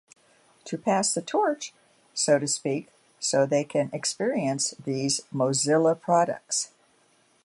To "pass the torch", so to speak, so they can experience these Mozilla products.